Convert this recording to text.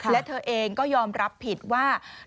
และเธอเองก็ยอมรับผิดว่า